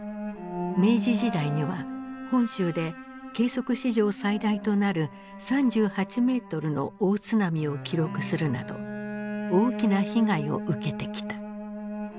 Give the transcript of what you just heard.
明治時代には本州で計測史上最大となる３８メートルの大津波を記録するなど大きな被害を受けてきた。